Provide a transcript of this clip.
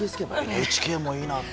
ＮＨＫもいいなって。